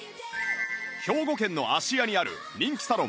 兵庫県の芦屋にある人気サロン